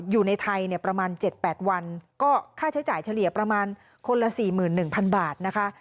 อยู่ในไทยเนี่ยประมาณเจ็ดแปดวันก็ค่าใช้จ่ายเฉลี่ยประมาณคนละสี่หมื่นหนึ่งพันบาทนะคะ